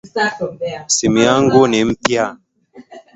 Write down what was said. Simu yangu ni mpya.